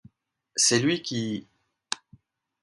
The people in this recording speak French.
C’est lui qui…